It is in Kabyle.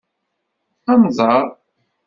Ad nẓer.